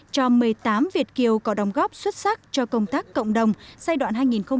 cho một mươi tám việt kiều có đồng góp xuất sắc cho công tác cộng đồng giai đoạn hai nghìn một mươi năm hai nghìn một mươi tám